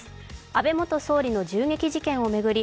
安倍元総理の銃撃事件を巡り